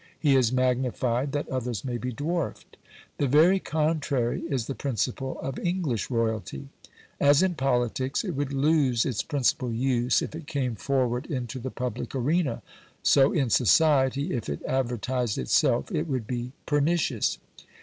He is magnified that others may be dwarfed. The very contrary is the principle of English royalty. As in politics it would lose its principal use if it came forward into the public arena, so in society if it advertised itself it would be pernicious.